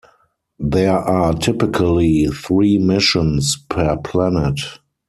There are typically three missions per planet.